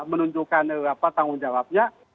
menunjukkan tanggung jawab